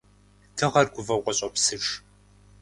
Дыгъэр гуфӀэу къыщӀопсыж.